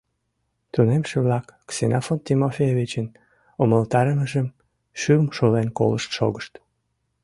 Тунемше-влак Ксенофонт Тимофеевичын умылтарымыжым шӱм шулен колышт шогышт.